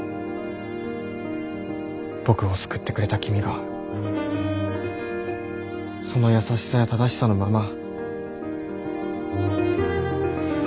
僕を救ってくれた君がその優しさや正しさのまま。